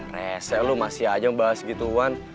reset lu masih aja ngebahas gitu wan